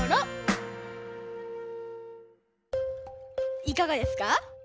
いかがですか？